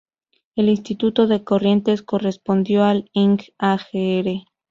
El Instituto de Corrientes, correspondió al Ing. Agr.